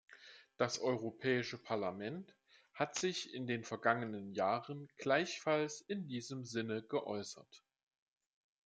Das Europäische Parlament hat sich in den vergangenen Jahren gleichfalls in diesem Sinne geäußert.